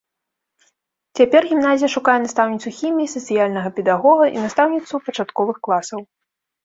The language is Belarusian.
Цяпер гімназія шукае настаўніцу хіміі, сацыяльнага педагога і настаўніцу пачатковых класаў.